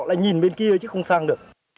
lại nhìn bên kia chứ không sang được